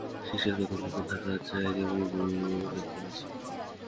শিষ্যের কতকগুলি গুণ থাকা চাই, তেমনি গুরুরও লক্ষণ আছে।